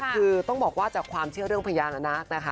คือต้องบอกว่าจากความเชื่อเรื่องพญานาคนะคะ